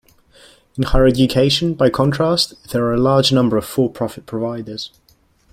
In higher education, by contrast, there are a large number of for-profit providers.